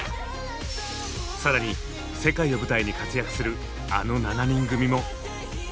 更に世界を舞台に活躍するあの７人組も！